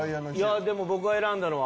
でも僕が選んだのは。